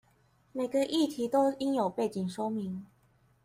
每個議題都應有背景說明